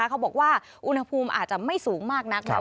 เขาบอกว่าอุณหภูมิอาจจะไม่สูงมากนัก